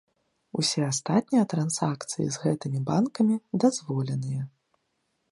Усе астатнія трансакцыі з гэтымі банкамі дазволеныя.